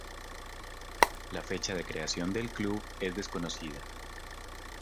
La fecha de creación del club es desconocida.